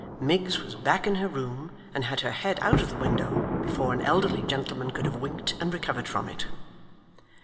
Miggs was back in her room, and had her head out of the window, before an elderly gentleman could have winked and recovered from it.